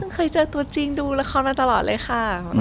เคยเจอตัวจริงดูละครมาตลอดเลยค่ะ